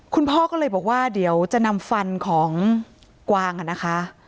คุณพ่อก็เลยบอกว่าเดี๋ยวจะนำฟันของกวางนะคะ